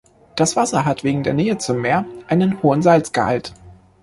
Das Wasser hat wegen der Nähe zum Meer einen hohen Salzgehalt.